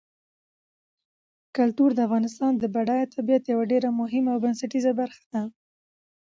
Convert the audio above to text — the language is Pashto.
کلتور د افغانستان د بډایه طبیعت یوه ډېره مهمه او بنسټیزه برخه ده.